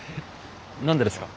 何でですか？